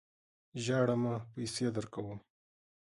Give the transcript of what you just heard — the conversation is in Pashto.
ژاړه مه ! پیسې درکوم.